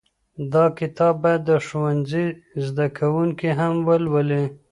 دا کتاب باید د ښوونځي زده کوونکي هم ولولي.